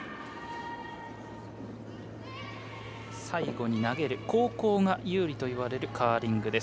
最後に投げる後攻が有利といわれるカーリング。